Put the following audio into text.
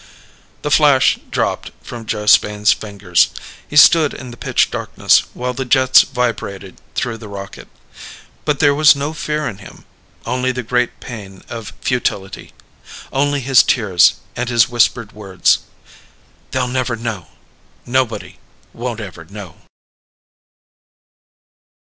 The flash dropped from Joe Spain's fingers. He stood in the pitch darkness while the jets vibrated through the rocket. But there was no fear in him. Only the great pain of futility. Only his tears, and his whispered words: "They'll never know. Nobody won't ever know!"